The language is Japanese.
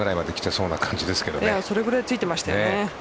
それぐらいついてましたよね。